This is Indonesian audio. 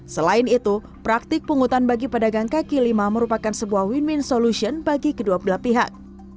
selain itu praktik pungutan bagi pedagang kaki lima merupakan sebuah win win solution bagi kedua belah pihak